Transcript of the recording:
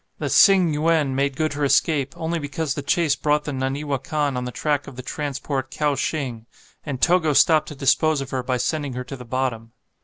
The "Tsing Yuen" made good her escape, only because the chase brought the "Naniwa Kan" on the track of the transport "Kowshing," and Togo stopped to dispose of her by sending her to the bottom.